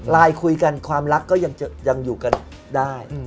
ไลน์คุยกันความรักก็ยังอยู่กันได้